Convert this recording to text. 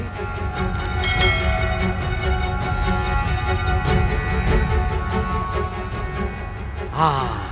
ini cocok untukmu butikku